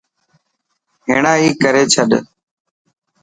هيڻا ئي ڪري ڇڏ.